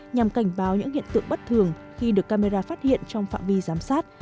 nhằm cảnh báo những hiện tượng bất thường khi được camera phát hiện trong phạm vi giám sát